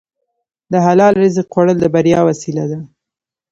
د حلال رزق خوړل د بریا وسیله ده.